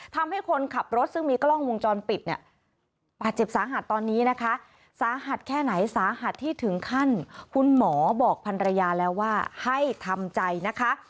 ทำให้คนขับรถซึ่งมีกล้องวงจรปิดเนี่ยบาดเจ็บสาหัสตอนนี้นะคะสาหัสแค่ไหนสาหัสที่ถึงขั้นคุณหมอบอกพันรยาแล้วว่าให้ทำใจนะคะ